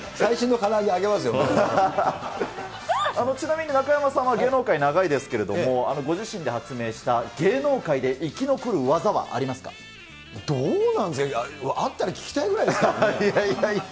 ちなみに、中山さんは芸能界長いですけれども、ご自身で発明した、芸能界で生き残る技はありどうなんですかね、あったらいやいやいや。